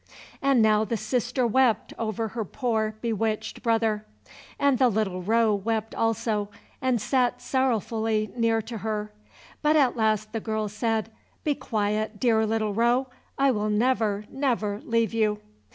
And now the sister wept over her poor bewitched brother, and the little roe wept also, and sat sorrowfully near to her. But at last the girl said, "Be quiet, dear little roe, I will never, never leave you."